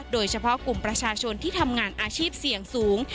โดยเฉพาะกลุ่มประชาชนที่ทำงานอาชีพเสี่ยงสูง